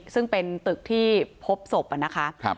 ซึ่งเป็นตึกที่พบศพนะคะ